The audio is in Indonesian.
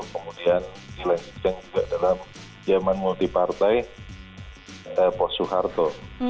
kemudian di lensing juga dalam zaman multipartai posuh harto